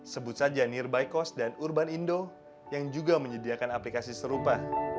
sebut saja near by cost dan urban indo yang juga menyediakan aplikasi serupa